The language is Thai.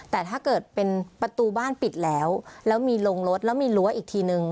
แต่ถ้าเกิดเป็นประตูบ้านปิดแล้วแล้วมีลงรถแล้วมีรั้วอีกทีนึง